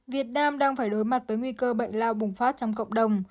việt nam đang phải đối mặt với nguy cơ bệnh lao bùng phát trong cộng đồng